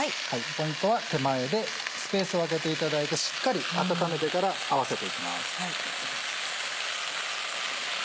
ポイントは手前でスペースを空けていただいてしっかり温めてから合わせていきます。